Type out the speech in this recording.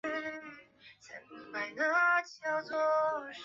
努斯莱桥在布拉格交通网中有着极为重要的地位。